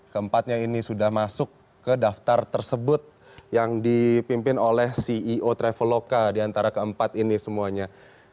keempatnya ini sudah masuk ke daftar tersebut yang dipimpin oleh ceo traveloka diantara keempat ini semuanya